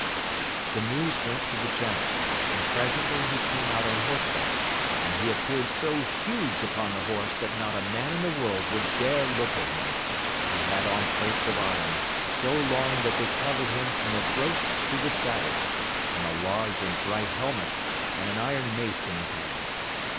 [E news went to the giant, and presently he came out on horseback ; and he appeared so huge upon the horse that not a man in the world would dare look at him ; he had on plates of iron, so long that they covered him from the throat to the saddle, and a large and bright helmet, and an iron mace in his hand.